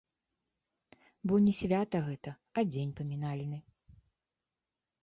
Бо не свята гэта, а дзень памінальны.